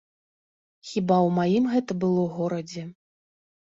Хіба ў маім гэта было горадзе?